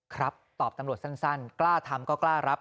ครับตอบตำรวจสั้นกล้าทำก็กล้ารับ